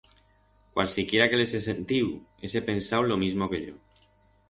Cualsiquiera que l'hese sentiu, hese pensau lo mismo que yo.